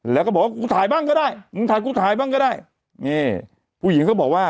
แล้วก็บอกว่ามึงถ่ายกูถ่ายบ้างก็ได้นี่ผู้หญิงก็บอกว่า